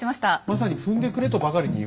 まさに踏んでくれとばかりに。